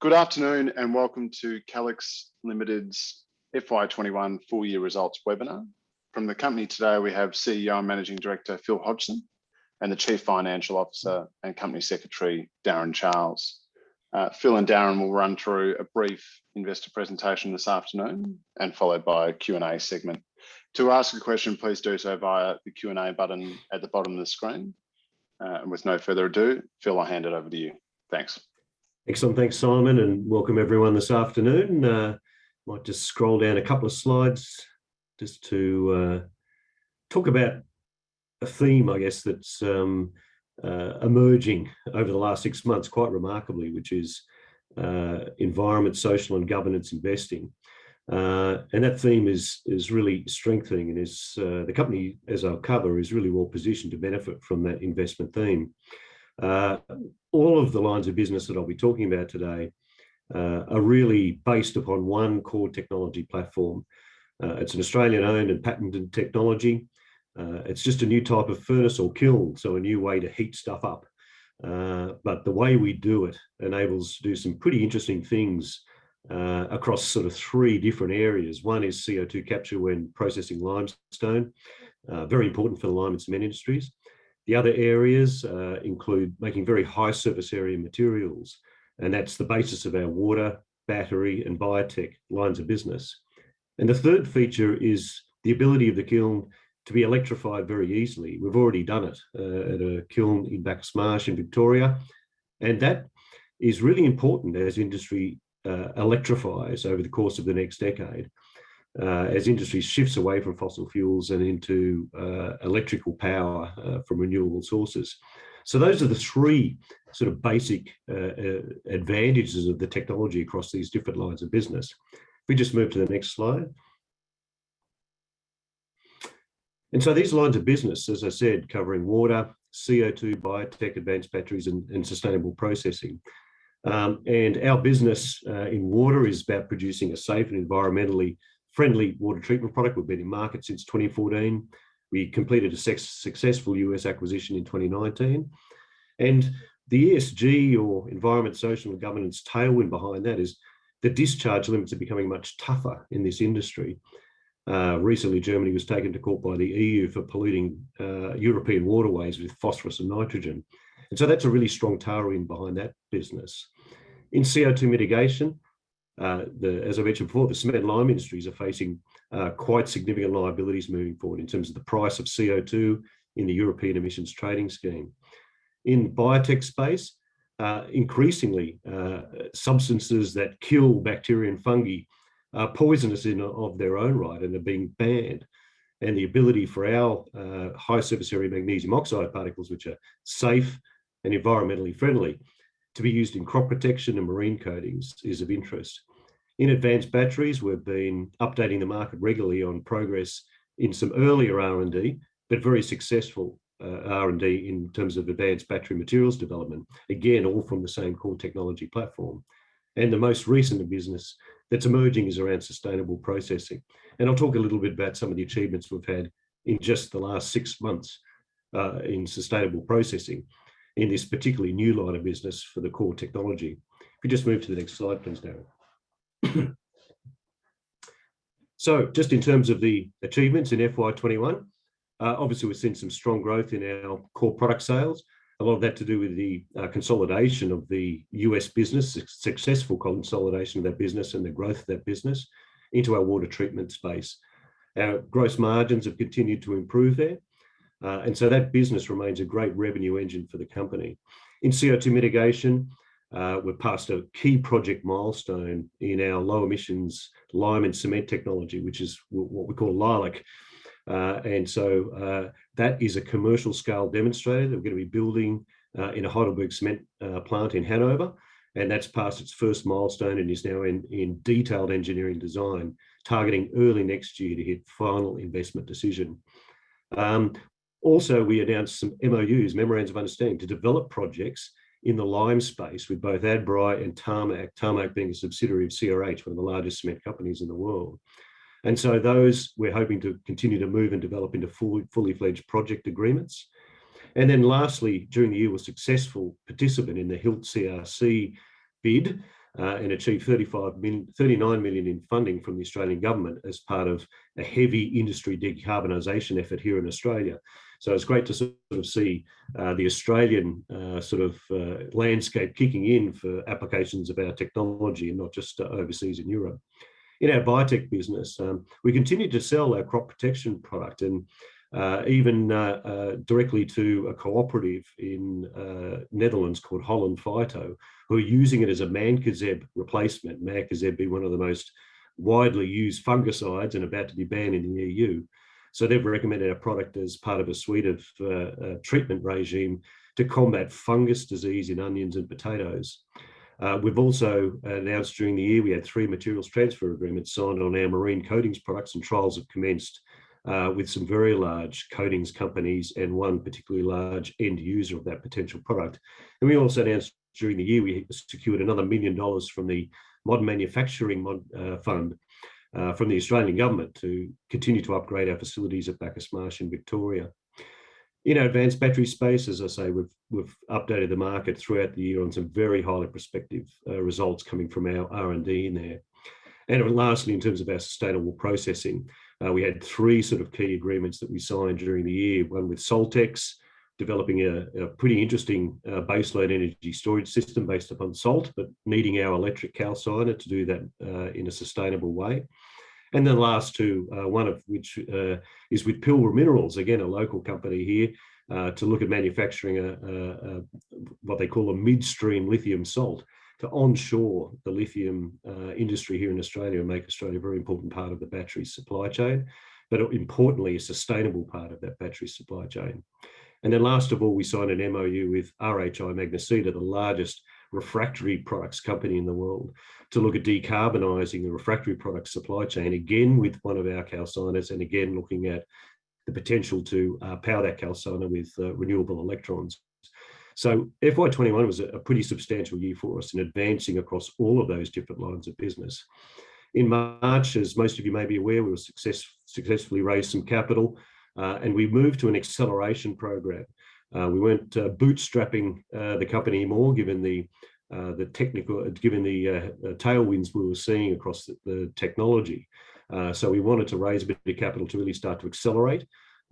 Good afternoon, and welcome to Calix Limited's FY 2021 full year results webinar. From the company today we have CEO and Managing Director, Phil Hodgson, and the Chief Financial Officer and Company Secretary, Darren Charles. Phil and Darren will run through a brief investor presentation this afternoon, and followed by a Q&A segment. To ask a question, please do so via the Q&A button at the bottom of the screen. With no further ado, Phil, I'll hand it over to you. Thanks. Excellent. Thanks, Simon, welcome everyone this afternoon. I might just scroll down a couple of slides just to talk about a theme, I guess, that's emerging over the last six months quite remarkably, which is Environment, Social, and Governance investing. That theme is really strengthening and the company, as I'll cover, is really well positioned to benefit from that investment theme. All of the lines of business that I'll be talking about today are really based upon one core technology platform. It's an Australian owned and patented technology. It's just a new type of furnace or kiln, so a new way to heat stuff up. The way we do it enables to do some pretty interesting things across three different areas. one is CO2 capture when processing limestone. Very important for the lime and cement industries. The other areas include making very high surface area materials, and that's the basis of our water, battery, and biotech lines of business. The third feature is the ability of the kiln to be electrified very easily. We've already done it at a kiln in Bacchus Marsh in Victoria, and that is really important as industry electrifies over the course of the next decade, as industry shifts away from fossil fuels and into electrical power from renewable sources. Those are the three basic advantages of the technology across these different lines of business. If we just move to the next slide. These lines of business, as I said, covering water, CO2, biotech, advanced batteries, and sustainable processing. Our business in water is about producing a safe and environmentally friendly water treatment product. We've been in market since 2014. We completed a successful U.S. acquisition in 2019. The ESG or environmental, social, and governance tailwind behind that is the discharge limits are becoming much tougher in this industry. Recently, Germany was taken to court by the EU for polluting European waterways with phosphorus and nitrogen. That's a really strong tailwind behind that business. In CO2 mitigation, as I mentioned before, the cement and lime industries are facing quite significant liabilities moving forward in terms of the price of CO2 in the European Union Emissions Trading System. In biotech space, increasingly, substances that kill bacteria and fungi are poisonous in of their own right and are being banned, and the ability for our high surface area magnesium oxide particles, which are safe and environmentally friendly to be used in crop protection and marine coatings is of interest. In advanced batteries, we've been updating the market regularly on progress in some earlier R&D, but very successful R&D in terms of advanced battery materials development. Again, all from the same core technology platform. The most recent business that's emerging is around sustainable processing, and I'll talk a little bit about some of the achievements we've had in just the last six months, in sustainable processing in this particularly new line of business for the core technology. If you just move to the next slide, please, Darren. Just in terms of the achievements in FY 2021, obviously we've seen some strong growth in our core product sales. A lot of that to do with the consolidation of the U.S. business, successful consolidation of that business and the growth of that business into our water treatment space. Our gross margins have continued to improve there, and so that business remains a great revenue engine for the company. In CO2 mitigation, we've passed a key project milestone in our low emissions lime and cement technology, which is what we call LEILAC. That is a commercial scale demonstrator that we're going to be building in a HeidelbergCement plant in Hanover, and that's passed its first milestone and is now in detailed engineering design, targeting early next year to hit final investment decision. Also, we announced some MOUs, memorandums of understanding, to develop projects in the lime space with both Adbri and Tarmac being a subsidiary of CRH, one of the largest cement companies in the world. Those we're hoping to continue to move and develop into fully-fledged project agreements. Lastly, during the year was successful participant in the HILT CRC bid, achieved 39 million in funding from the Australian Government as part of a heavy industry decarbonization effort here in Australia. It's great to sort of see the Australian landscape kicking in for applications of our technology and not just overseas in Europe. In our biotech business, we continued to sell our crop protection product and even directly to a cooperative in Netherlands called Holland Fyto, who are using it as a mancozeb replacement. Mancozeb being one of the most widely used fungicides and about to be banned in the EU. They've recommended our product as part of a suite of treatment regime to combat fungus disease in onions and potatoes. We've also announced during the year we had three materials transfer agreements signed on our marine coatings products and trials have commenced, with some very large coatings companies and one particularly large end user of that potential product. We also announced during the year we secured another 1 million dollars from the Modern Manufacturing Fund, from the Australian Government to continue to upgrade our facilities at Bacchus Marsh in Victoria. In advanced battery space, as I say, we've updated the market throughout the year on some very highly prospective results coming from our R&D in there. Lastly, in terms of our sustainable processing, we had three sort of key agreements that we signed during the year. One with SaltX, developing a pretty interesting base load energy storage system based upon salt, but needing our electric calciner to do that in a sustainable way. Last two, one of which is with Pilbara Minerals, again, a local company here, to look at manufacturing what they call a midstream lithium salt to onshore the lithium industry here in Australia and make Australia a very important part of the battery supply chain, but importantly, a sustainable part of that battery supply chain. Last of all, we signed an MOU with RHI Magnesita, the largest refractory products company in the world, to look at decarbonizing the refractory product supply chain, again, with one of our calciners, and again, looking at the potential to power that calciner with renewable electrons. FY 2021 was a pretty substantial year for us in advancing across all of those different lines of business. In March, as most of you may be aware, we successfully raised some capital, and we moved to an acceleration program. We weren't bootstrapping the company more, given the tailwinds we were seeing across the technology. We wanted to raise a bit of capital to really start to accelerate,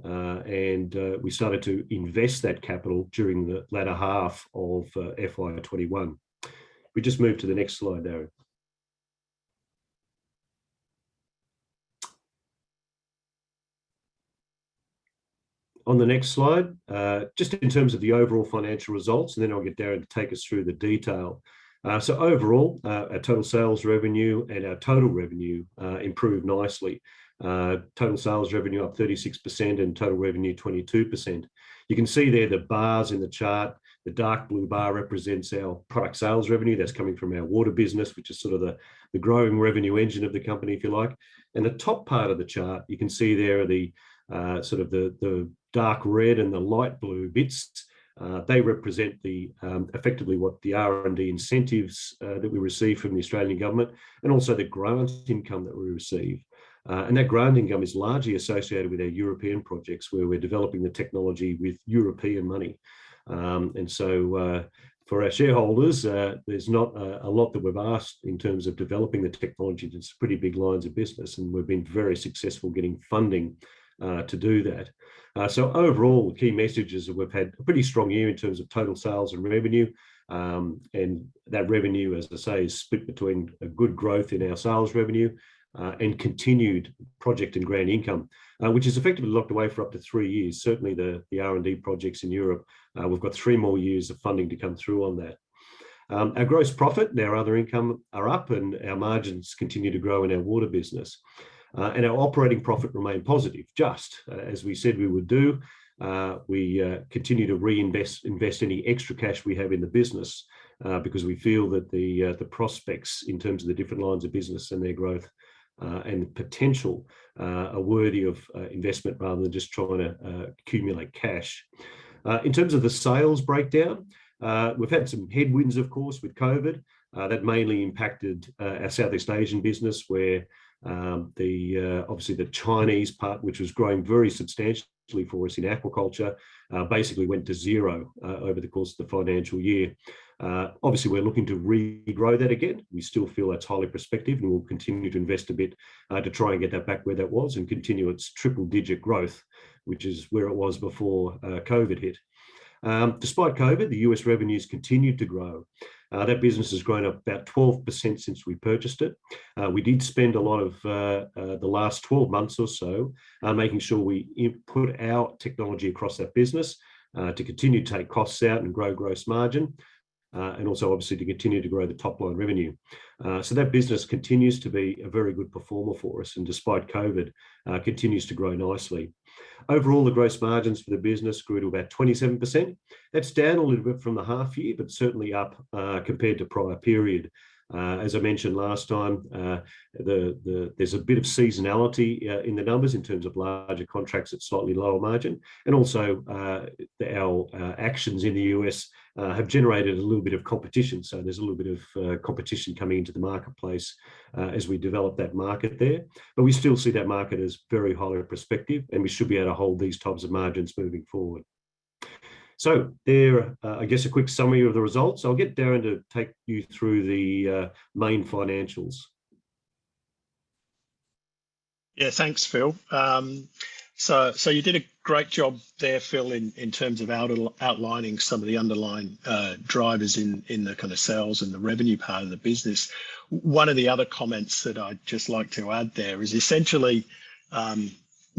and we started to invest that capital during the latter half of FY 2021. We just move to the next slide, Darren. On the next slide, just in terms of the overall financial results, and then I'll get Darren to take us through the detail. Overall, our total sales revenue and our total revenue improved nicely. Total sales revenue up 36% and total revenue 22%. You can see there the bars in the chart, the dark blue bar represents our product sales revenue. That's coming from our water business, which is sort of the growing revenue engine of the company, if you like. In the top part of the chart, you can see there are the sort of the dark red and the light blue bits. They represent effectively what the R&D incentives that we receive from the Australian government and also the grant income that we receive. That grant income is largely associated with our European projects where we're developing the technology with European money. For our shareholders, there's not a lot that we've asked in terms of developing the technology that's pretty big lines of business, and we've been very successful getting funding to do that. Overall, the key message is that we've had a pretty strong year in terms of total sales and revenue. That revenue, as I say, is split between a good growth in our sales revenue and continued project and grant income, which is effectively locked away for up to three years. The R&D projects in Europe, we've got three more years of funding to come through on that. Our gross profit and our other income are up, our margins continue to grow in our water business. Our operating profit remained positive, just as we said we would do. We continue to reinvest any extra cash we have in the business, because we feel that the prospects in terms of the different lines of business and their growth, and the potential are worthy of investment rather than just trying to accumulate cash. In terms of the sales breakdown, we've had some headwinds, of course, with COVID. That mainly impacted our Southeast Asian business where obviously the Chinese part, which was growing very substantially for us in aquaculture, basically went to 0 over the course of the financial year. We're looking to regrow that again. We still feel that's highly prospective, and we'll continue to invest a bit to try and get that back where that was and continue its triple-digit growth, which is where it was before COVID hit. Despite COVID, the U.S. revenues continued to grow. That business has grown about 12% since we purchased it. We did spend a lot of the last 12 months or so making sure we put our technology across that business to continue to take costs out and grow gross margin. Also, obviously, to continue to grow the top-line revenue. That business continues to be a very good performer for us, and despite COVID, continues to grow nicely. Overall, the gross margins for the business grew to about 27%. That's down a little bit from the half year, but certainly up compared to prior period. As I mentioned last time, there's a bit of seasonality in the numbers in terms of larger contracts at slightly lower margin. Our actions in the U.S. have generated a little bit of competition. There's a little bit of competition coming into the marketplace as we develop that market there. We still see that market as very highly prospective, and we should be able to hold these types of margins moving forward. There, I guess, a quick summary of the results. I'll get Darren to take you through the main financials. Yeah. Thanks, Phil. You did a great job there, Phil, in terms of outlining some of the underlying drivers in the kind of sales and the revenue part of the business. One of the other comments that I'd just like to add there is essentially,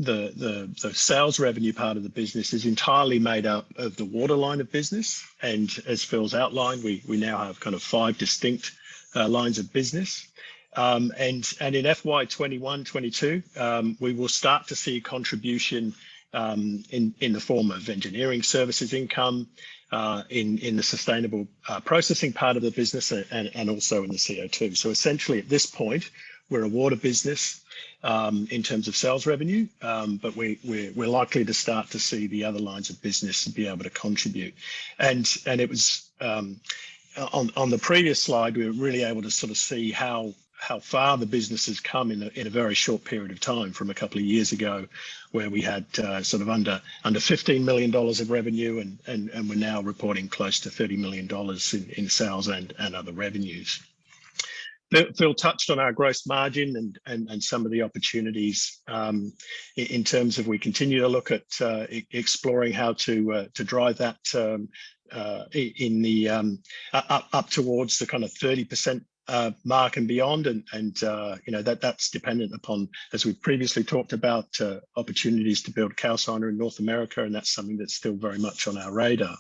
the sales revenue part of the business is entirely made up of the water line of business. As Phil's outlined, we now have kind of five distinct lines of business. In FY 2021, 2022, we will start to see contribution in the form of engineering services income, in the sustainable processing part of the business, and also in the CO2. Essentially at this point, we're a water business in terms of sales revenue. We're likely to start to see the other lines of business be able to contribute. On the previous slide, we were really able to see how far the business has come in a very short period of time from a couple of years ago, where we had under 15 million dollars of revenue, and we're now reporting close to 30 million dollars in sales and other revenues. Phil touched on our gross margin and some of the opportunities, in terms of we continue to look at exploring how to drive that up towards the kind of 30% mark and beyond. That's dependent upon, as we've previously talked about, opportunities to build Calix calciner in North America, and that's something that's still very much on our radar.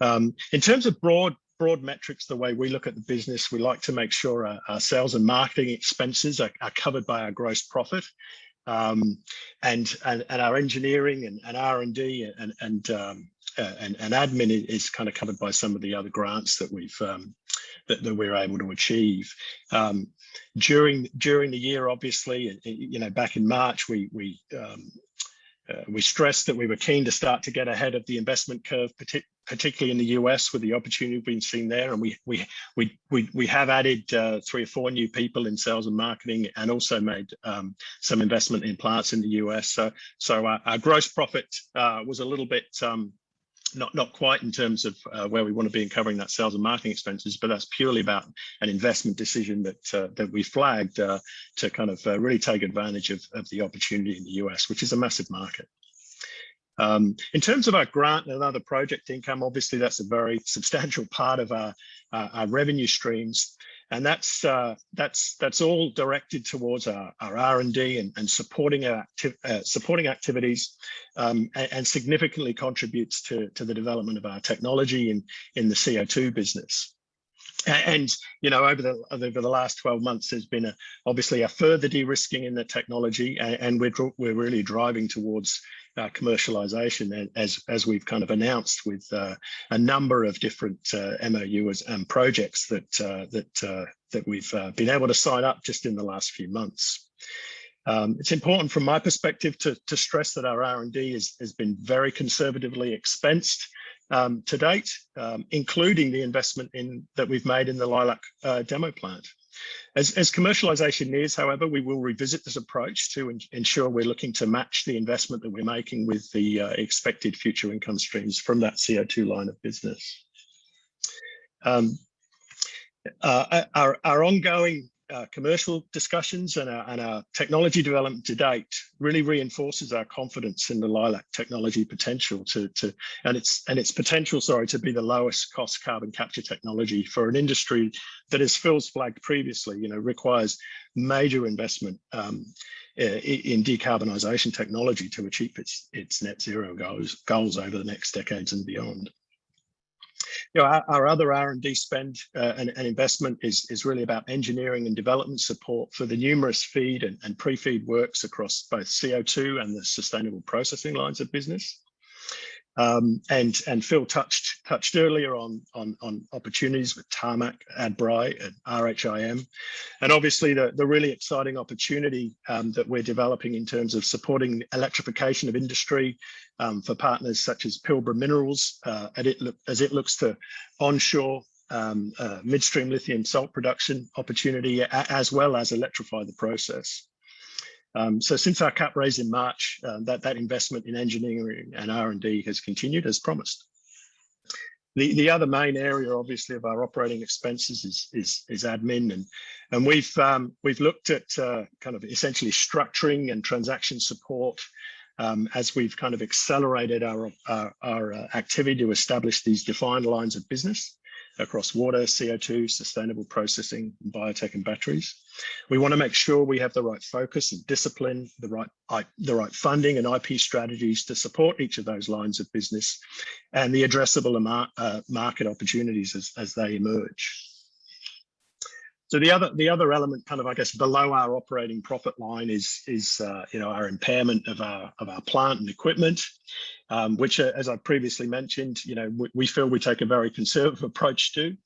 In terms of broad metrics, the way we look at the business, we like to make sure our sales and marketing expenses are covered by our gross profit. Our engineering and R&D and admin is kind of covered by some of the other grants that we're able to achieve. During the year, obviously, back in March, we stressed that we were keen to start to get ahead of the investment curve, particularly in the U.S. with the opportunity we've been seeing there. We have added three or four new people in sales and marketing, and also made some investment in plants in the U.S. Our gross profit was a little bit, not quite in terms of where we want to be in covering that sales and marketing expenses, but that's purely about an investment decision that we flagged to kind of really take advantage of the opportunity in the U.S., which is a massive market. In terms of our grant and other project income, obviously that's a very substantial part of our revenue streams. That's all directed towards our R&D and supporting activities, and significantly contributes to the development of our technology in the CO2 business. Over the last 12 months, there's been, obviously, a further de-risking in the technology and we're really driving towards commercialization as we've kind of announced with a number of different MOUs and projects that we've been able to sign up just in the last few months. It's important from my perspective to stress that our R&D has been very conservatively expensed to date, including the investment that we've made in the LEILAC demo plant. As commercialization nears, however, we will revisit this approach to ensure we're looking to match the investment that we're making with the expected future income streams from that CO2 line of business. Our ongoing commercial discussions and our technology development to date really reinforces our confidence in the LEILAC technology potential, and its potential, sorry, to be the lowest cost carbon capture technology for an industry that, as Phil's flagged previously, requires major investment in decarbonization technology to achieve its net zero goals over the next decades and beyond. Our other R&D spend and investment is really about engineering and development support for the numerous FEED and pre-FEED works across both CO2 and the sustainable processing lines of business. Phil touched earlier on opportunities with Tarmac, Adbri, and RHIM. Obviously, the really exciting opportunity that we're developing in terms of supporting electrification of industry, for partners such as Pilbara Minerals, as it looks to onshore midstream lithium salt production opportunity, as well as electrify the process. Since our cap raise in March, that investment in engineering and R&D has continued as promised. The other main area, obviously, of our operating expenses is admin. We've looked at kind of essentially structuring and transaction support, as we've kind of accelerated our activity to establish these defined lines of business across water, CO2, sustainable processing, biotech and batteries. We want to make sure we have the right focus and discipline, the right funding and IP strategies to support each of those lines of business, and the addressable market opportunities as they emerge. The other element kind of I guess below our operating profit line is our impairment of our plant and equipment, which as I previously mentioned, we feel we take a very conservative approach to.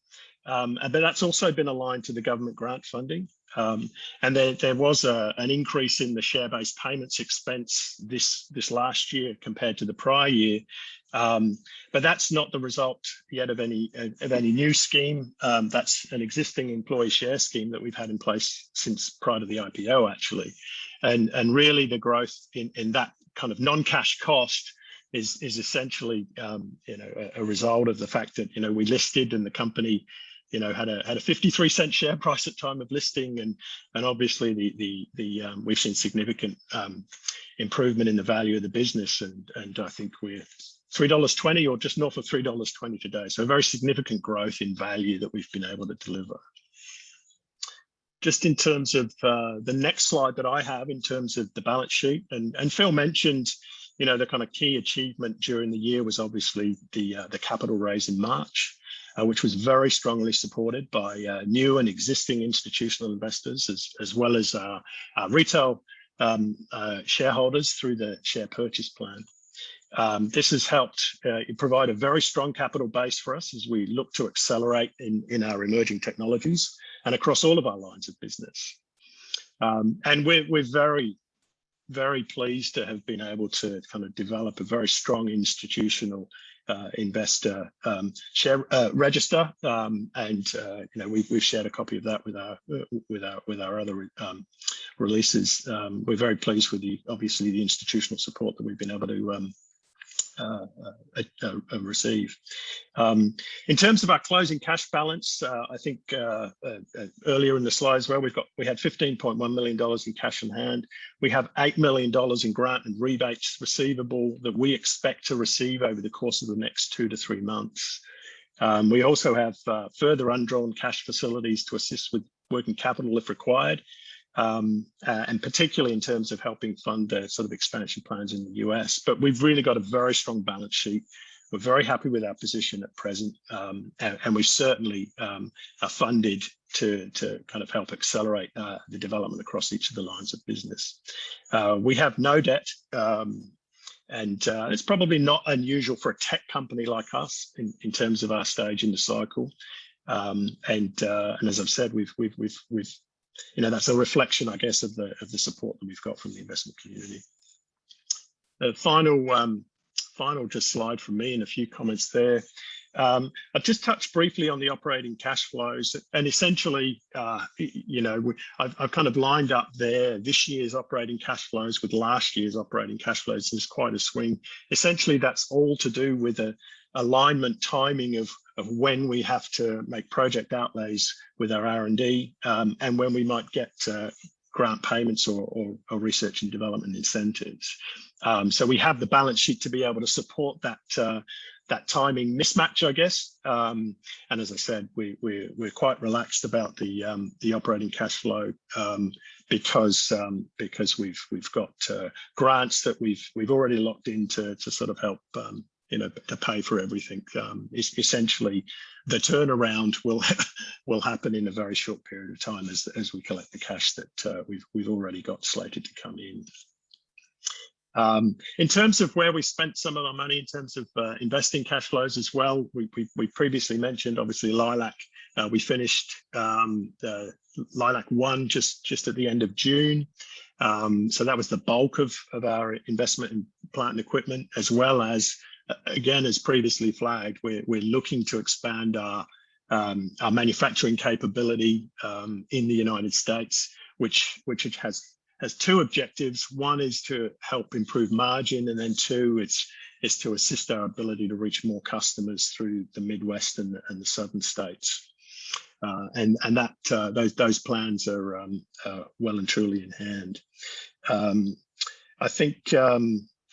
That's also been aligned to the government grant funding. There was an increase in the share-based payments expense this last year compared to the prior year. That's not the result yet of any new scheme. That's an existing employee share scheme that we've had in place since prior to the IPO, actually. Really the growth in that kind of non-cash cost is essentially a result of the fact that we listed and the company had an 0.53 share price at time of listing and obviously we've seen significant improvement in the value of the business. I think we're 3.20 dollars or just north of 3.20 dollars today. Very significant growth in value that we've been able to deliver. Just in terms of the next slide that I have in terms of the balance sheet, and Phil mentioned the kind of key achievement during the year was obviously the capital raise in March. Which was very strongly supported by new and existing institutional investors, as well as our retail shareholders through the share purchase plan. This has helped provide a very strong capital base for us as we look to accelerate in our emerging technologies and across all of our lines of business. We're very pleased to have been able to develop a very strong institutional investor register. We've shared a copy of that with our other releases. We're very pleased with, obviously, the institutional support that we've been able to receive. In terms of our closing cash balance, I think earlier in the slides, where we had 15.1 million dollars in cash on hand. We have 8 million dollars in grant and rebates receivable that we expect to receive over the course of the next 2 to 3 months. We also have further undrawn cash facilities to assist with working capital if required, and particularly in terms of helping fund the expansion plans in the U.S. We've really got a very strong balance sheet. We're very happy with our position at present, and we certainly are funded to help accelerate the development across each of the lines of business. We have no debt, and it's probably not unusual for a tech company like us in terms of our stage in the cycle. As I've said, that's a reflection, I guess, of the support that we've got from the investment community. The final just slide from me and a few comments there. I've just touched briefly on the operating cash flows. Essentially, I've lined up there this year's operating cash flows with last year's operating cash flows, and there's quite a swing. Essentially, that's all to do with the alignment timing of when we have to make project outlays with our R&D and when we might get grant payments or research and development incentives. We have the balance sheet to be able to support that timing mismatch, I guess. As I said, we're quite relaxed about the operating cash flow because we've got grants that we've already locked in to help to pay for everything. Essentially, the turnaround will happen in a very short period of time as we collect the cash that we've already got slated to come in. In terms of where we spent some of our money, in terms of investing cash flows as well, we previously mentioned, obviously, LEILAC. We finished the Leilac-1 just at the end of June. That was the bulk of our investment in plant and equipment as well as, again, as previously flagged, we're looking to expand our manufacturing capability in the U.S., which it has two objectives. one is to help improve margin, and then two, it's to assist our ability to reach more customers through the Midwest and the Southern states. Those plans are well and truly in hand. I think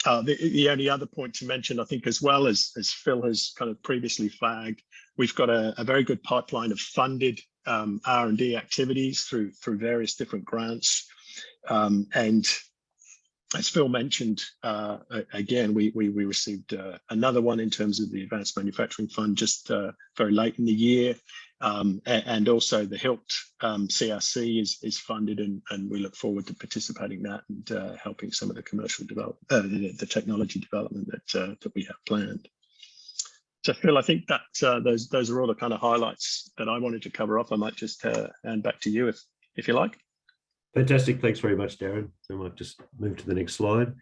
the only other point to mention, I think as well as Phil has previously flagged, we've got a very good pipeline of funded R&D activities through various different grants. As Phil mentioned, again, we received another one in terms of the Modern Manufacturing Fund just very late in the year. Also the HILT CRC is funded, and we look forward to participating in that and helping some of the technology development that we have planned. Phil, I think those are all the kind of highlights that I wanted to cover off. I might just hand back to you if you like. Fantastic. Thanks very much, Darren. I'll just move to the next slide.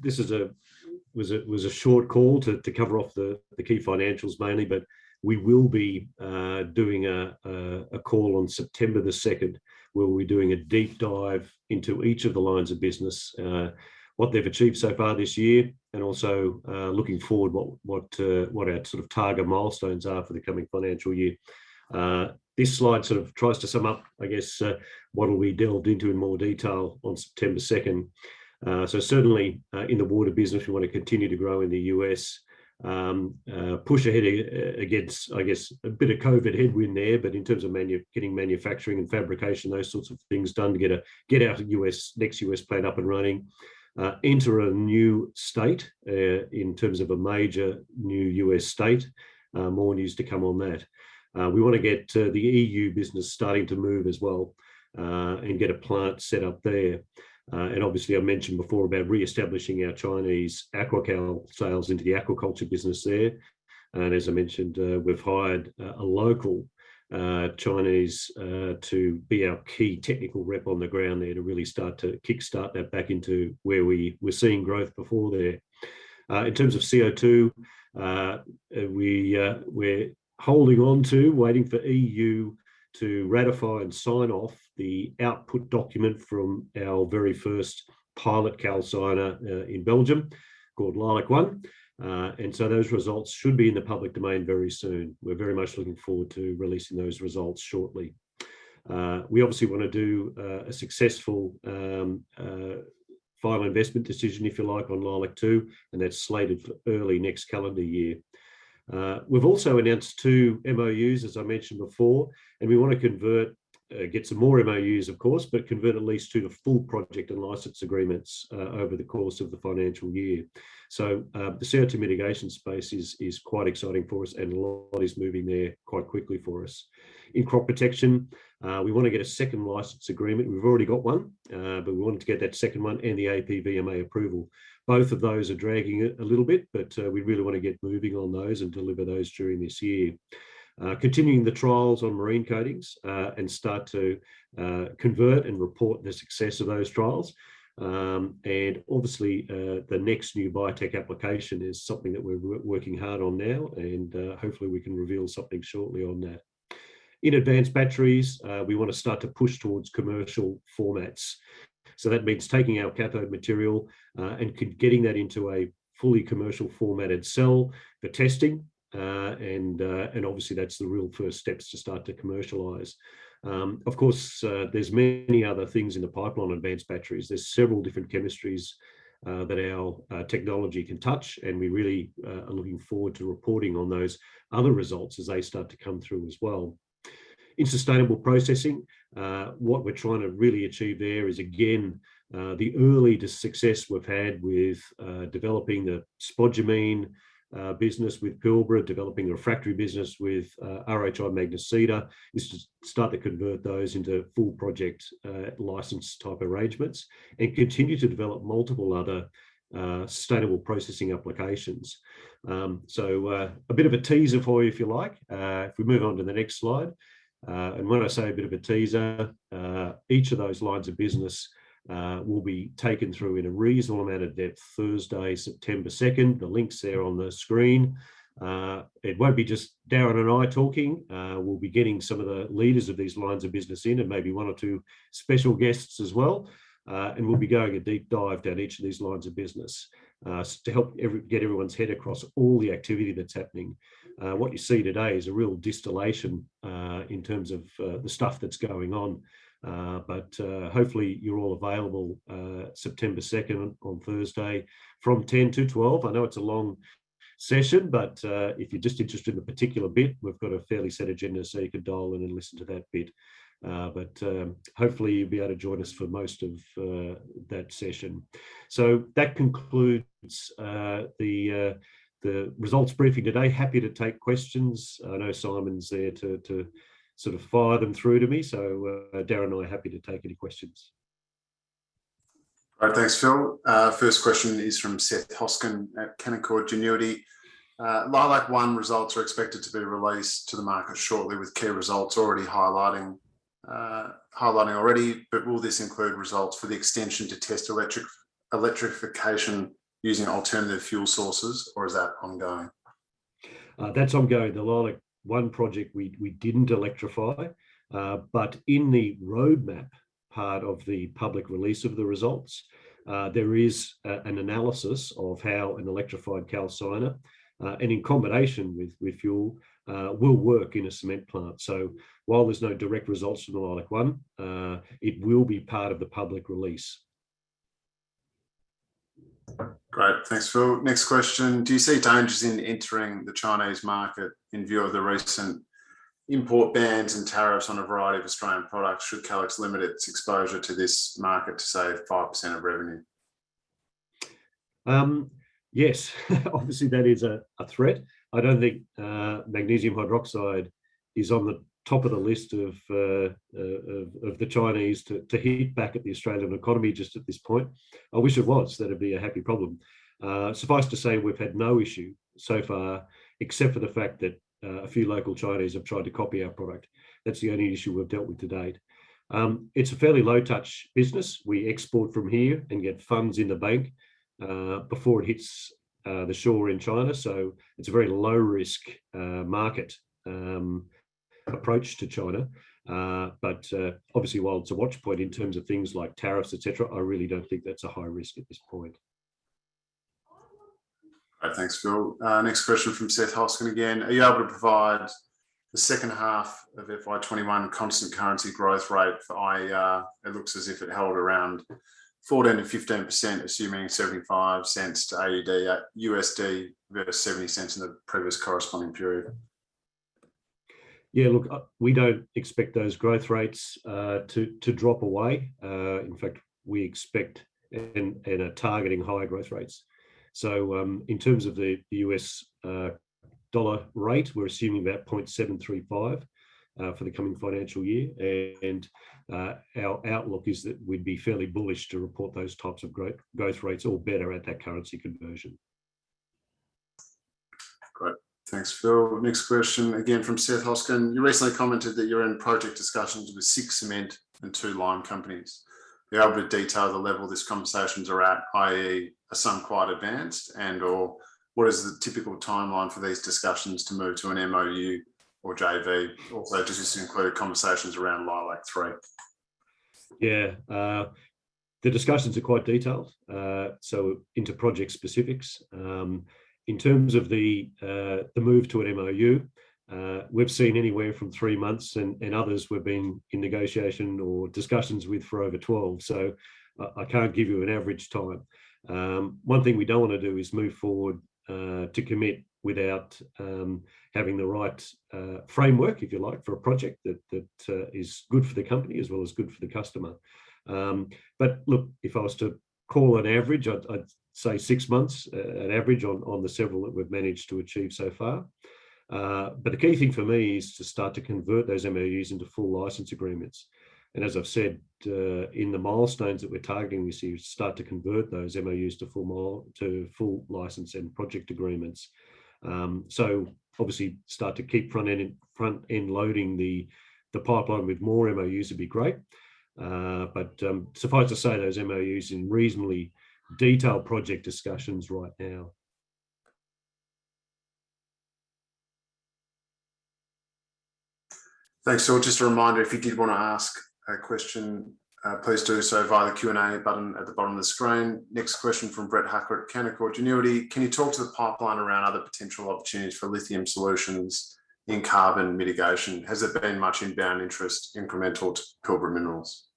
This was a short call to cover off the key financials mainly, but we will be doing a call on September the 2nd, where we'll be doing a deep dive into each of the lines of business, what they've achieved so far this year, and also looking forward what our target milestones are for the coming financial year. This slide sort of tries to sum up, I guess, what we delved into in more detail on September 2nd. Certainly, in the water business, we want to continue to grow in the U.S., push ahead against, I guess, a bit of COVID headwind there, but in terms of getting manufacturing and fabrication, those sorts of things done to get our next U.S. plant up and running. Enter a new state, in terms of a major new U.S. state. More news to come on that. We want to get the EU business starting to move as well, and get a plant set up there. Obviously, I mentioned before about reestablishing our Chinese AQUA-Cal+ sales into the aquaculture business there. As I mentioned, we've hired a local Chinese to be our key technical rep on the ground there to really start to kickstart that back into where we were seeing growth before there. In terms of CO2, we're holding on to, waiting for EU to ratify and sign off the output document from our very first pilot Calixana in Belgium called Leilac-1. Those results should be in the public domain very soon. We're very much looking forward to releasing those results shortly. We obviously want to do a successful final investment decision, if you like, on Leilac-2. That's slated for early next calendar year. We've also announced two MOUs, as I mentioned before. We want to get some more MOUs, of course. Convert at least two to full project and license agreements over the course of the financial year. The CO2 mitigation space is quite exciting for us. A lot is moving there quite quickly for us. In Crop Protection, we want to get a second license agreement. We've already got one. We wanted to get that second one and the APVMA approval. Both of those are dragging a little bit. We really want to get moving on those and deliver those during this year. Continuing the trials on marine coatings. Start to convert and report the success of those trials. Obviously, the next new biotech application is something that we're working hard on now, and hopefully we can reveal something shortly on that. In advanced batteries, we want to start to push towards commercial formats. That means taking our cathode material and getting that into a fully commercial formatted cell for testing, and obviously that's the real first steps to start to commercialize. Of course, there's many other things in the pipeline. Advanced batteries, there's several different chemistries that our technology can touch, and we really are looking forward to reporting on those other results as they start to come through as well. In sustainable processing, what we're trying to really achieve there is, again, the early success we've had with developing the spodumene business with Pilbara, developing the refractory business with RHI Magnesita, is to start to convert those into full project license type arrangements and continue to develop multiple other sustainable processing applications. A bit of a teaser for you, if you like. If we move on to the next slide. When I say a bit of a teaser, each of those lines of business will be taken through in a reasonable amount of depth Thursday, September 2nd. The link's there on the screen. It won't be just Darren and I talking. We'll be getting some of the leaders of these lines of business in, and maybe one or two special guests as well. We'll be going a deep dive down each of these lines of business to help get everyone's head across all the activity that's happening. What you see today is a real distillation in terms of the stuff that's going on. Hopefully you're all available September 2nd on Thursday from 10:00 A.M. to 12:00 P.M. I know it's a long session, but if you're just interested in a particular bit, we've got a fairly set agenda so you could dial in and listen to that bit. Hopefully you'll be able to join us for most of that session. That concludes the results briefing today. Happy to take questions. I know Simon's there to sort of fire them through to me. Darren and I are happy to take any questions. All right. Thanks, Phil. First question is from Seth Hoskin at Canaccord Genuity. Leilac-1 results are expected to be released to the market shortly, with key results highlighting already, but will this include results for the extension to test electrification using alternative fuel sources, or is that ongoing? That's ongoing. Leilac-1 project we didn't electrify. In the roadmap part of the public release of the results, there is an analysis of how an electrified calciner, and in combination with fuel, will work in a cement plant. While there's no direct results from the Leilac-1, it will be part of the public release. Great. Thanks, Phil. Next question. Do you see dangers in entering the Chinese market in view of the recent import bans and tariffs on a variety of Australian products? Should Calix limit its exposure to this market to, say, 5% of revenue? Yes. Obviously, that is a threat. I don't think magnesium hydroxide is on the top of the list of the Chinese to hit back at the Australian economy just at this point. I wish it was. That'd be a happy problem. Suffice to say, we've had no issue so far except for the fact that a few local Chinese have tried to copy our product. That's the only issue we've dealt with to date. It's a fairly low touch business. We export from here and get funds in the bank before it hits the shore in China, so it's a very low risk market approach to China. Obviously while it's a watch point in terms of things like tariffs, et cetera, I really don't think that's a high risk at this point. All right. Thanks, Phil. Next question from Seth Hoskin again. Are you able to provide the second half of FY 2021 constant currency growth rate for IER? It looks as if it held around 14%-15% assuming $0.75 to AUD at USD versus $0.70 in the previous corresponding period. Look, we don't expect those growth rates to drop away. In fact, we expect and are targeting higher growth rates. In terms of the US dollar rate, we're assuming about 0.735 for the coming financial year. Our outlook is that we'd be fairly bullish to report those types of growth rates or better at that currency conversion. Great. Thanks, Phil. Next question, again from Seth Hoskin. You recently commented that you're in project discussions with six cement and two lime companies. Are you able to detail the level these conversations are at, i.e., are some quite advanced and/or what is the typical timeline for these discussions to move to an MOU or JV? Also, does this include conversations around Leilac-3? Yeah. The discussions are quite detailed, so into project specifics. In terms of the move to an MOU, we've seen anywhere from three months, and others we've been in negotiation or discussions with for over 12, so I can't give you an average time. One thing we don't want to do is move forward to commit without having the right framework, if you like, for a project that is good for the company as well as good for the customer. Look, if I was to call an average, I'd say six months, an average on the several that we've managed to achieve so far. The key thing for me is to start to convert those MOUs into full license agreements. As I've said, in the milestones that we're targeting, we see start to convert those MOUs to full license and project agreements. Obviously start to keep front-end loading the pipeline with more MOUs would be great. Suffice to say, those MOUs in reasonably detailed project discussions right now. Thanks, Phil. Just a reminder, if you did want to ask a question, please do so via the Q&A button at the bottom of the screen. Next question from Brett Hackett at Canaccord Genuity. Can you talk to the pipeline around other potential opportunities for lithium solutions in carbon mitigation? Has there been much inbound interest incremental to Pilbara Minerals?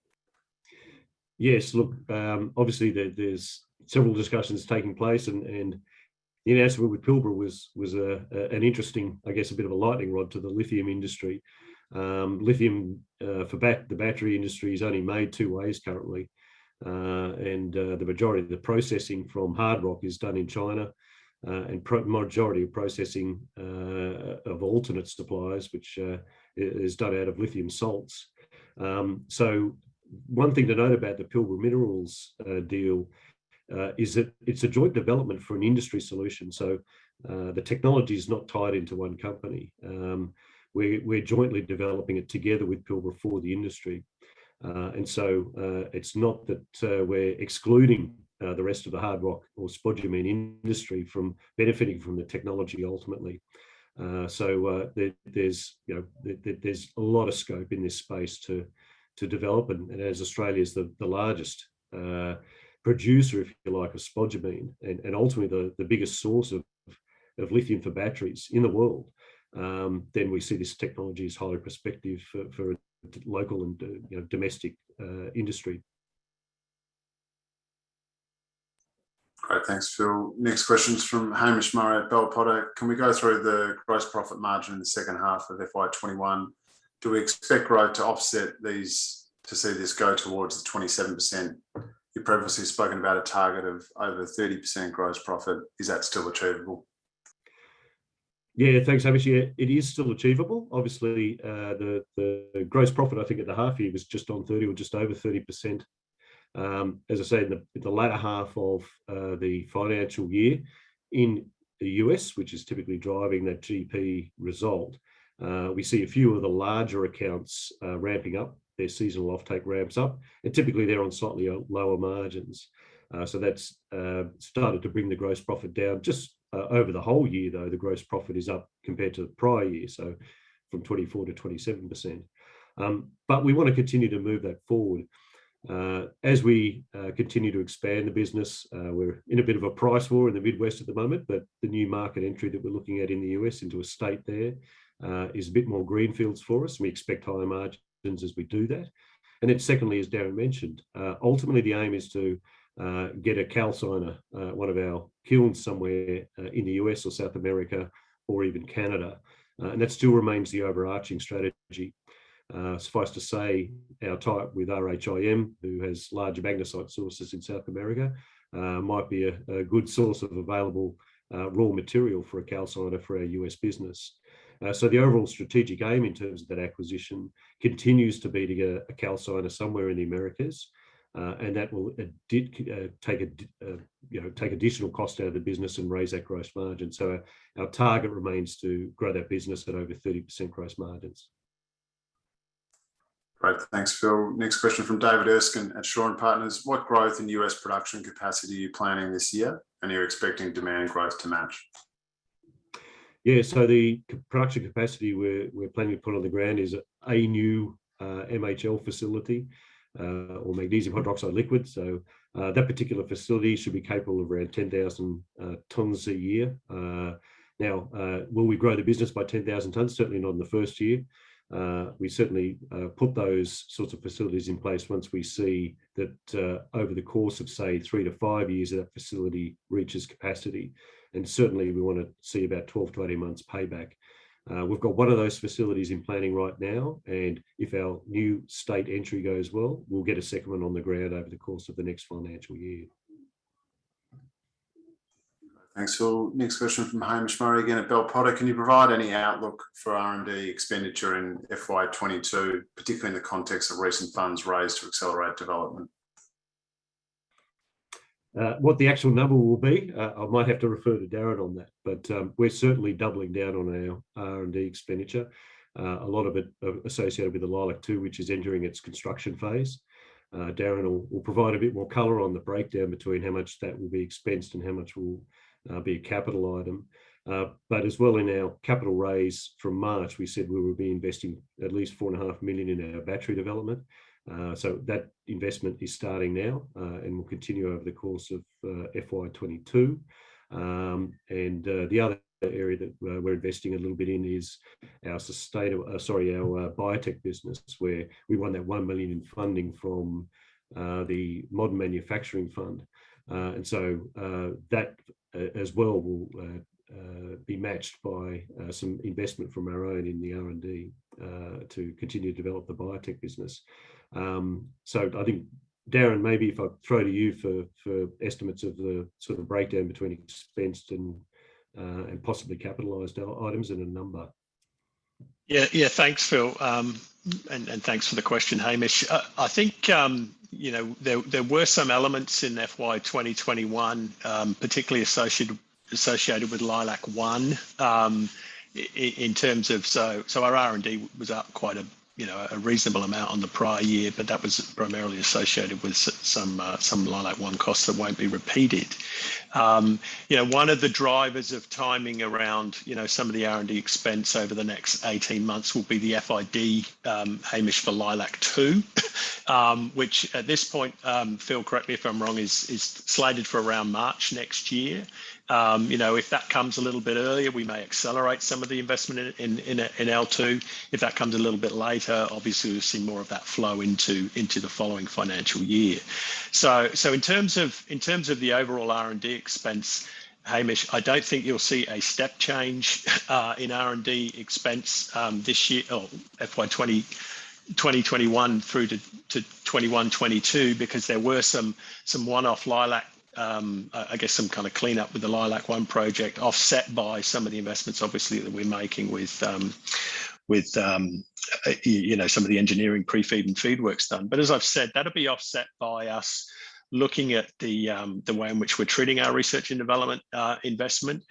Yes. Look, obviously there's several discussions taking place, the announcement with Pilbara was an interesting, I guess, a bit of a lightning rod to the lithium industry. Lithium for the battery industry is only made two ways currently. The majority of the processing from hard rock is done in China, and majority of processing of alternate supplies, which is done out of lithium salts. One thing to note about the Pilbara Minerals deal is that it's a joint development for an industry solution, so the technology is not tied into one company. We're jointly developing it together with Pilbara for the industry. It's not that we're excluding the rest of the hard rock or spodumene industry from benefiting from the technology ultimately. There's a lot of scope in this space to develop, and as Australia's the largest producer, if you like, of spodumene, and ultimately the biggest source of lithium for batteries in the world, then we see this technology as highly prospective for local and domestic industry. Great. Thanks, Phil. Next question's from Hamish Murray at Bell Potter. Can we go through the gross profit margin in the second half of FY 2021? Do we expect growth to offset these to see this go towards the 27%? You've previously spoken about a target of over 30% gross profit. Is that still achievable? Thanks, Hamish. It is still achievable. Obviously, the gross profit I think at the half year was just on 30% or just over 30%. As I said, in the latter half of the financial year, in the U.S., which is typically driving that GP result, we see a few of the larger accounts ramping up. Their seasonal offtake ramps up. Typically, they're on slightly lower margins. That's started to bring the gross profit down. Just over the whole year, though, the gross profit is up compared to the prior year, so from 24%-27%. We want to continue to move that forward. As we continue to expand the business, we're in a bit of a price war in the Midwest at the moment, the new market entry that we're looking at in the U.S. into a state there, is a bit more greenfields for us, and we expect higher margins as we do that. Secondly, as Darren mentioned, ultimately the aim is to get a calciner, one of our kilns somewhere in the U.S. or South America or even Canada. That still remains the overarching strategy. Suffice to say, our tie-up with RHIM, who has large magnesite sources in South America, might be a good source of available raw material for a calciner for our U.S. business. The overall strategic aim in terms of that acquisition continues to be to get a calciner somewhere in the Americas. That will take additional cost out of the business and raise our gross margin. Our target remains to grow that business at over 30% gross margins. Great. Thanks, Phil. Next question from David Erskine at Shaw and Partners. What growth in U.S. production capacity are you planning this year, and are you expecting demand growth to match? Yeah, the production capacity we're planning to put on the ground is a new MHL facility, or magnesium hydroxide liquid. That particular facility should be capable of around 10,000 tons a year. Now, will we grow the business by 10,000 tons? Certainly not in the first year. We certainly put those sorts of facilities in place once we see that over the course of, say, three to five years, that facility reaches capacity. Certainly, we want to see about 12 to 18 months payback. We've got one of those facilities in planning right now, and if our new state entry goes well, we'll get a second one on the ground over the course of the next financial year. Thanks, Phil. Next question from Hamish Murray again at Bell Potter. Can you provide any outlook for R&D expenditure in FY 2022, particularly in the context of recent funds raised to accelerate development? What the actual number will be, I might have to refer to Darren on that. We're certainly doubling down on our R&D expenditure. A lot of it associated with the Leilac-2, which is entering its construction phase. Darren will provide a bit more color on the breakdown between how much that will be expensed and how much will be a capital item. As well, in our capital raise from March, we said we would be investing at least 4.5 million in our battery development. That investment is starting now, and will continue over the course of FY 2022. The other area that we're investing a little bit in is our biotech business, where we won that 1 million in funding from the Modern Manufacturing Fund. That as well will be matched by some investment from our own in the R&D to continue to develop the biotech business. I think, Darren, maybe if I throw to you for estimates of the sort of breakdown between expensed and possibly capitalized items and a number. Thanks, Phil. Thanks for the question, Hamish. I think there were some elements in FY21, particularly associated with Leilac-1, in terms of our R&D was up quite a reasonable amount on the prior year, but that was primarily associated with some Leilac-1 costs that won't be repeated. One of the drivers of timing around some of the R&D expense over the next 18 months will be the FID, Hamish, for Leilac-2, which at this point, Phil, correct me if I'm wrong, is slated for around March next year. If that comes a little bit earlier, we may accelerate some of the investment in L2. If that comes a little bit later, obviously, we'll see more of that flow into the following financial year. In terms of the overall R&D expense, Hamish, I don't think you'll see a step change in R&D expense FY 2021 through to FY 2022, because there were some one-off LEILAC, I guess some kind of cleanup with the Leilac-1 project offset by some of the investments, obviously, that we're making with some of the engineering pre-feed and feed works done. As I've said, that'll be offset by us looking at the way in which we're treating our research and development investment.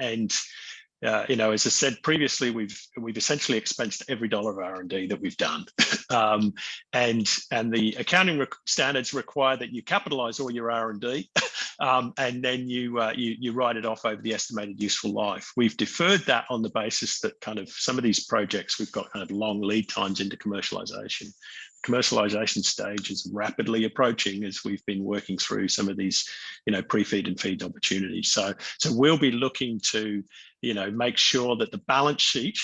As I said previously, we've essentially expensed every AUD of R&D that we've done. The accounting standards require that you capitalize all your R&D, and then you write it off over the estimated useful life. We've deferred that on the basis that kind of some of these projects, we've got kind of long lead times into commercialization. Commercialization stage is rapidly approaching as we've been working through some of these pre-feed and feed opportunities. We'll be looking to make sure that the balance sheet,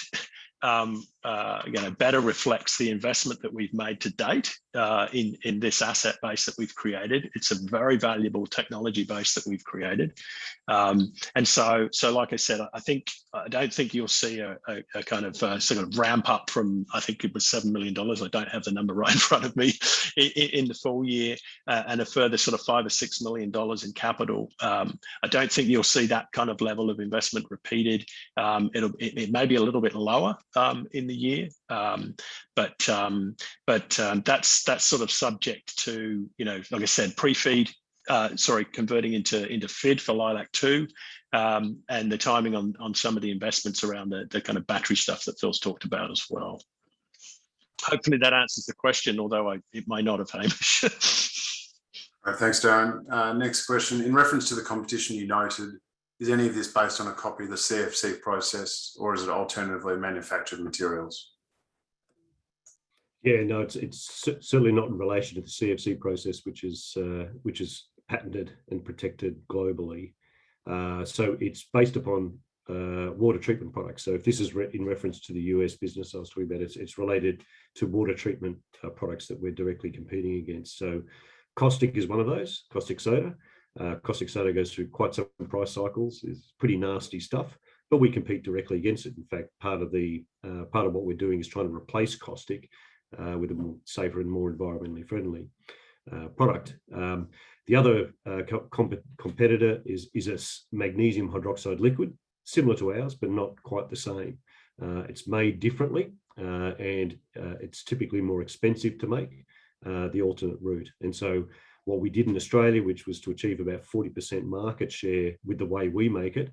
again, better reflects the investment that we've made to date in this asset base that we've created. It's a very valuable technology base that we've created. Like I said, I don't think you'll see a kind of ramp up from, I think it was 7 million. I don't have the number right in front of me, in the full year, and a further sort of 5 million or 6 million dollars in capital. I don't think you'll see that kind of level of investment repeated. It may be a little bit lower in the year. That's sort of subject to, like I said, converting into feed for Leilac-2, and the timing on some of the investments around the kind of battery stuff that Phil's talked about as well. Hopefully, that answers the question, although it may not have, Hamish. All right. Thanks, Darren. Next question. In reference to the competition you noted, is any of this based on a copy of the CFC process, or is it alternatively manufactured materials? Yeah, no, it's certainly not in relation to the CFC process which is patented and protected globally. It's based upon water treatment products. If this is in reference to the U.S. business, I was talking about it's related to water treatment products that we're directly competing against. Caustic is one of those, caustic soda. Caustic soda goes through quite some price cycles. It's pretty nasty stuff. We compete directly against it. In fact, part of what we're doing is trying to replace caustic, with a more safer and more environmentally friendly product. The other competitor is this magnesium hydroxide liquid, similar to ours, but not quite the same. It's made differently, and it's typically more expensive to make, the alternate route. What we did in Australia, which was to achieve about 40% market share with the way we make it,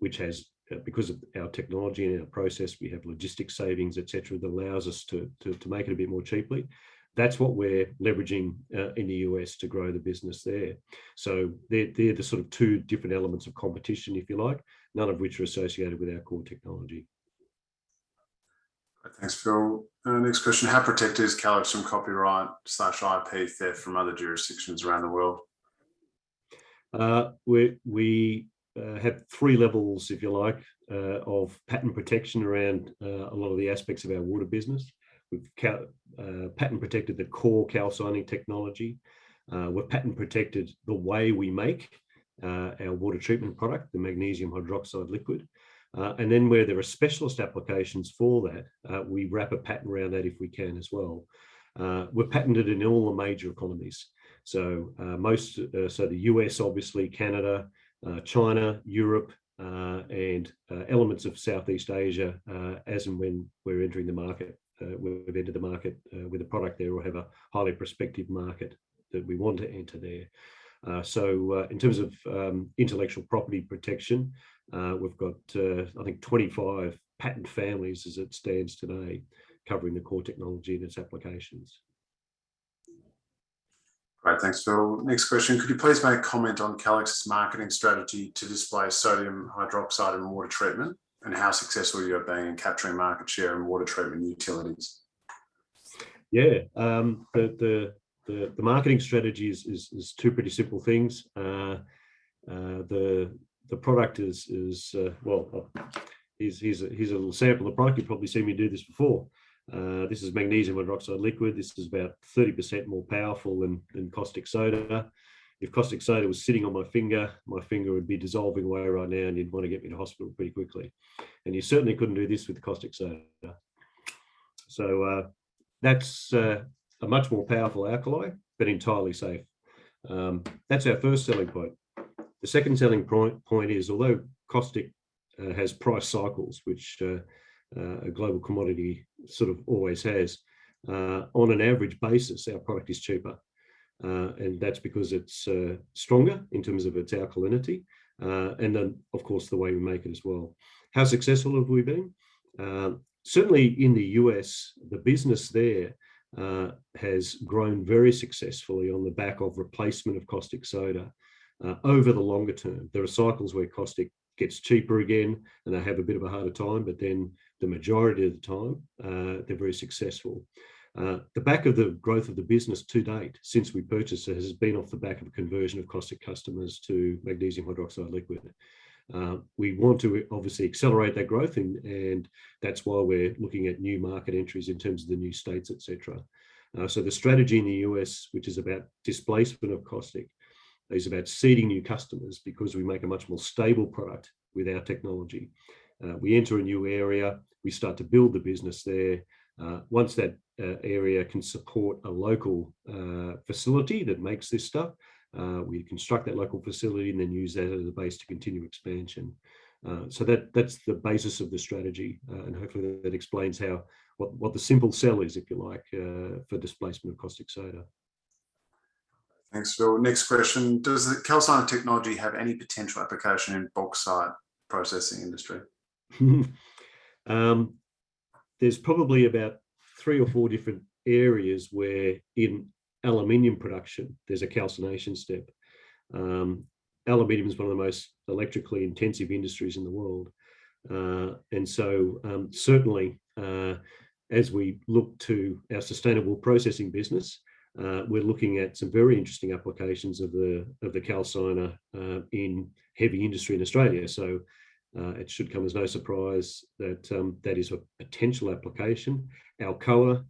which because of our technology and our process, we have logistic savings, et cetera, that allows us to make it a bit more cheaply. That's what we're leveraging in the U.S. to grow the business there. They're the sort of two different elements of competition, if you like, none of which are associated with our core technology. Thanks, Phil. Next question: How protected is Calix from copyright/IP theft from other jurisdictions around the world? We have 3 levels, if you like, of patent protection around a lot of the aspects of our water business. We've patent protected the core calcining technology. We've patent protected the way we make our water treatment product, the magnesium hydroxide liquid. Then where there are specialist applications for that, we wrap a patent around that if we can as well. We're patented in all the major economies. The U.S. obviously, Canada, China, Europe, and elements of Southeast Asia, as and when we entered the market with a product there, or have a highly prospective market that we want to enter there. In terms of intellectual property protection, we've got, I think, 25 patent families as it stands today, covering the core technology and its applications. Great. Thanks, Phil. Next question: Could you please make a comment on Calix's marketing strategy to displace sodium hydroxide in water treatment, and how successful you have been in capturing market share in water treatment and utilities? Yeah. The marketing strategy is two pretty simple things. Well, here's a little sample of the product. You've probably seen me do this before. This is magnesium hydroxide liquid. This is about 30% more powerful than caustic soda. If caustic soda was sitting on my finger, my finger would be dissolving away right now, and you'd want to get me to a hospital pretty quickly. You certainly couldn't do this with caustic soda. That's a much more powerful alkali, but entirely safe. That's our first selling point. The second selling point is although caustic has price cycles, which a global commodity sort of always has, on an average basis, our product is cheaper. That's because it's stronger in terms of its alkalinity, and then, of course, the way we make it as well. How successful have we been? Certainly in the U.S., the business there has grown very successfully on the back of replacement of caustic soda. Over the longer term, there are cycles where caustic gets cheaper again, and they have a bit of a harder time, but then the majority of the time, they're very successful. The back of the growth of the business to date, since we purchased it, has been off the back of a conversion of caustic customers to magnesium hydroxide liquid. We want to obviously accelerate that growth, and that's why we're looking at new market entries in terms of the new states, et cetera. The strategy in the U.S., which is about displacement of caustic, is about seeding new customers because we make a much more stable product with our technology. We enter a new area, we start to build the business there. Once that area can support a local facility that makes this stuff, we construct that local facility and then use that as a base to continue expansion. That's the basis of the strategy, and hopefully that explains what the simple sell is, if you like, for displacement of caustic soda. Thanks, Phil. Next question: Does the Calciner technology have any potential application in bauxite processing industry? There's probably about three or four different areas where in aluminum production there's a calcination step. Aluminum's one of the most electrically intensive industries in the world. Certainly, as we look to our sustainable processing business, we're looking at some very interesting applications of the calciner in heavy industry in Australia. It should come as no surprise that that is a potential application. Alcoa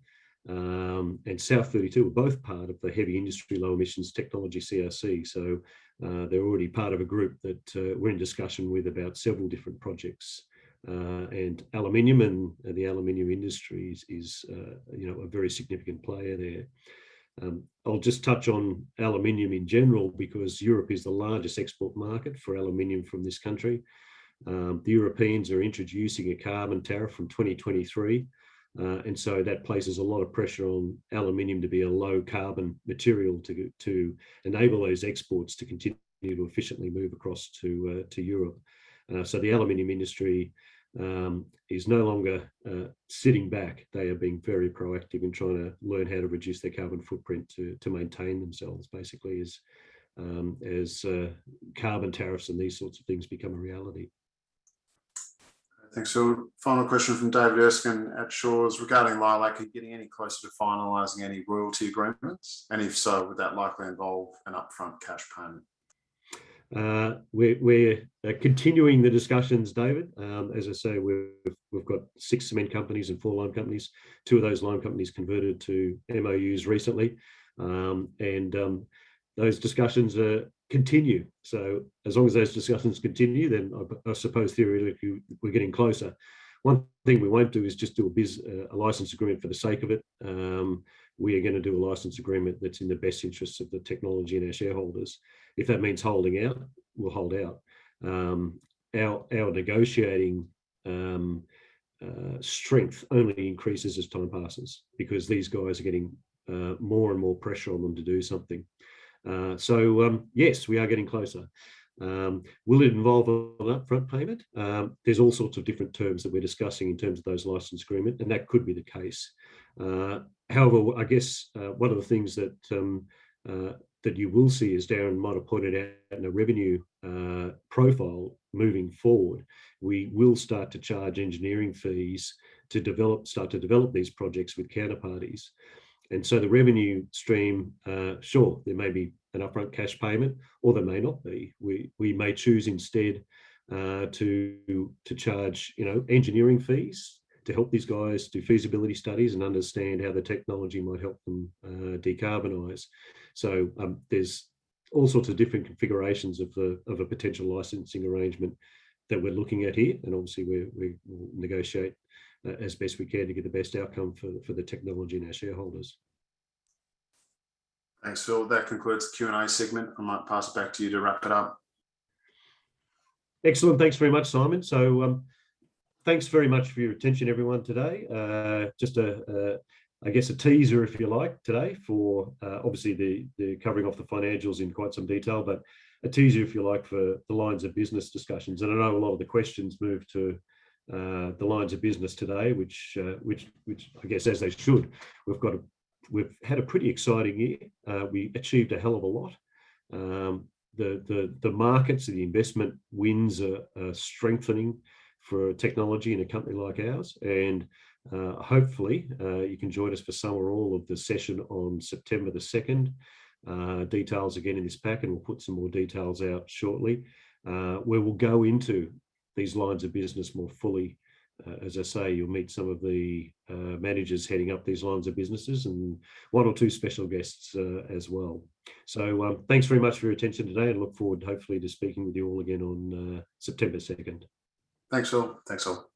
and South32 were both part of the Heavy Industry Low-carbon Transition Cooperative Research Centre. They're already part of a group that we're in discussion with about several different projects. The aluminum industry is a very significant player there. I'll just touch on aluminum in general because Europe is the largest export market for aluminum from this country. The Europeans are introducing a carbon tariff from 2023, and so that places a lot of pressure on aluminum to be a low-carbon material to enable those exports to continue to efficiently move across to Europe. The aluminum industry is no longer sitting back. They are being very proactive in trying to learn how to reduce their carbon footprint to maintain themselves, basically, as carbon tariffs and these sorts of things become a reality. Thanks, Phil. Final question from David Erskine at Shaw is regarding LEILAC. Are you getting any closer to finalizing any royalty agreements? If so, would that likely involve an upfront cash payment? We're continuing the discussions, David. As I say, we've got six cement companies and four lime companies. Two of those lime companies converted to MOUs recently. Those discussions continue, as long as those discussions continue, I suppose theoretically we're getting closer. One thing we won't do is just do a license agreement for the sake of it. We are going to do a license agreement that's in the best interests of the technology and our shareholders. If that means holding out, we'll hold out. Our negotiating strength only increases as time passes because these guys are getting more and more pressure on them to do something. Yes, we are getting closer. Will it involve an upfront payment? There's all sorts of different terms that we're discussing in terms of those license agreement, that could be the case. I guess, 1 of the things that you will see, as Darren might have pointed out in the revenue profile moving forward, we will start to charge engineering fees to start to develop these projects with counterparties. The revenue stream, sure, there may be an upfront cash payment, or there may not be. We may choose instead to charge engineering fees to help these guys do feasibility studies and understand how the technology might help them decarbonize. There's all sorts of different configurations of a potential licensing arrangement that we're looking at here. Obviously we'll negotiate as best we can to get the best outcome for the technology and our shareholders. Thanks, Phil. That concludes the Q&A segment. I might pass it back to you to wrap it up. Excellent. Thanks very much, Simon. Thanks very much for your attention, everyone, today. I guess a teaser, if you like, today for, obviously the covering off the financials in quite some detail, but a teaser, if you like, for the lines of business discussions. I know a lot of the questions moved to the lines of business today, which I guess as they should. We've had a pretty exciting year. We achieved a hell of a lot. The markets and the investment wins are strengthening for a technology and a company like ours, and hopefully, you can join us for some or all of the session on September the 2nd. Details again in this pack, and we'll put some more details out shortly, where we'll go into these lines of business more fully. As I say, you'll meet some of the managers heading up these lines of businesses and one or two special guests as well. Thanks very much for your attention today and look forward, hopefully, to speaking with you all again on September 2nd. Thanks, Phil.